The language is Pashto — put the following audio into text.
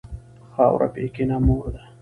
خاوره بېکینه مور ده.